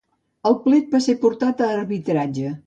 El plet va ser portat a arbitratge.